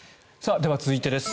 では続いてです。